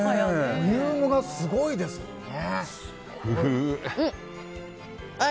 ボリュームがすごいですね。